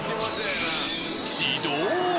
自動！